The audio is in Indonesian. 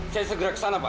saya segera ke sana pak